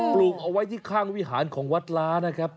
ปลูกเอาไว้ที่ข้างวิหารของวัดล้านะครับ